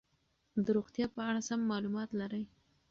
د روغتیا په اړه سم معلومات لري.